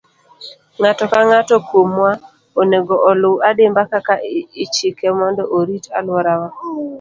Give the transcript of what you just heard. Ng'ato ka ng'ato kuomwa onego oluw adimba kaka ichike mondo orit alworawa.